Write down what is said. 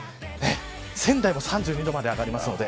仙台も３２度まで上がりますので。